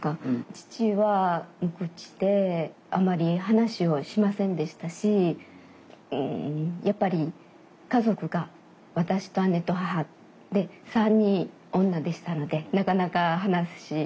父は無口であまり話をしませんでしたしやっぱり家族が私と姉と母で３人女でしたのでなかなか話もできませんでした。